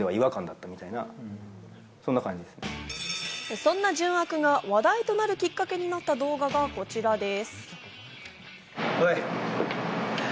そんな純悪が話題となるきっかけになった動画がこちらです。